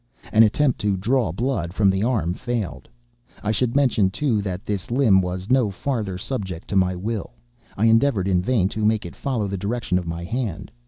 An attempt to draw blood from the arm failed. I should mention, too, that this limb was no farther subject to my will. I endeavored in vain to make it follow the direction of my hand.